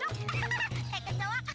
aku senang be